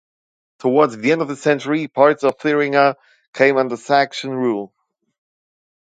Towards the end of this century, parts of Thuringia came under Saxon rule.